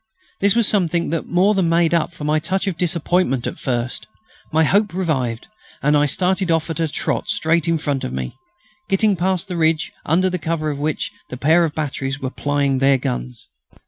This was something that more than made up for my touch of disappointment at first. My hope revived, and I started off at a trot straight in front of me, getting past the ridge, under cover of which the pair of batteries were plying their guns.